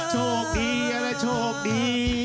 โชคดีและโชคดี